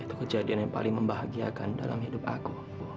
itu kejadian yang paling membahagiakan dalam hidup aku